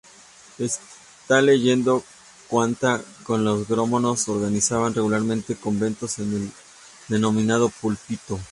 Esta leyenda cuenta que los gnomos organizaban regularmente conventos en el denominado "púlpito".